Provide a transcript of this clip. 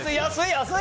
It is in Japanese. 安い。